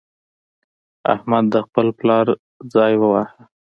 احمد د خپل پلار ځای وواهه.